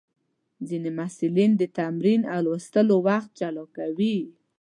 ځینې محصلین د تمرین او لوستلو وخت جلا کوي.